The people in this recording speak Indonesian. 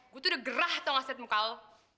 kegera atau ngasetmu kau